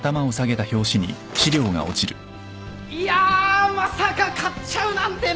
いやまさか勝っちゃうなんてね！